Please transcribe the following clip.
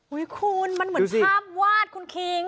คุณมันเหมือนภาพวาดคุณคิง